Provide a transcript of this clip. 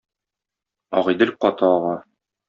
Агыйдел каты ага